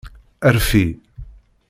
Rfi.